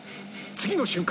「次の瞬間？」